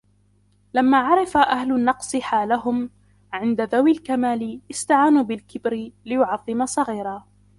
لَمَّا عَرَفَ أَهْلُ النَّقْصِ حَالَهُمْ عِنْدَ ذَوِي الْكَمَالِ اسْتَعَانُوا بِالْكِبْرِ لِيُعَظِّمَ صَغِيرًا